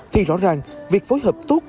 thì rõ ràng việc phối hợp tốt